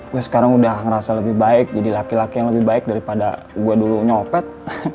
gue sekarang udah ngerasa lebih baik jadi laki laki yang lebih baik daripada gue dulu nyopet